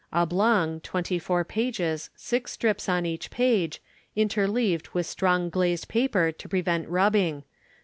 Oblong, twenty four pages, six strips on each page, interleaved with strong glazed paper to prevent rubbing.